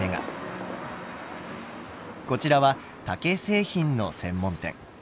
こちらは竹製品の専門店。